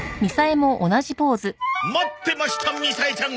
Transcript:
待ってましたみさえちゃん！